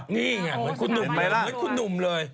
นี่หงั้นเหมือนคุณหนุ่มเลย